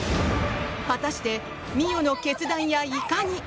果たして、澪の決断やいかに？